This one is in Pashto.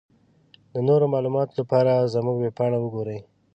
د نورو معلوماتو لپاره زمونږ ويبپاڼه وګورٸ.